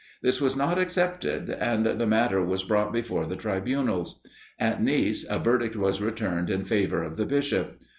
This was not accepted, and the matter was brought before the tribunals. At Nice, a verdict was returned in favour of the Bishop.